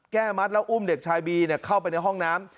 แก้มัดแล้วอุ้มเด็กชายบีเข้าไปในห้องน้ำ